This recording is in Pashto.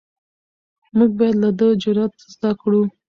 موږ باید له ده جرئت زده کړو.